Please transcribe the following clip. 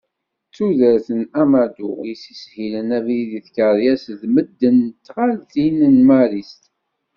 D tudert n Amadou yessishilen abrid i tkeṛyas d medden di tɣaltin n Maristes.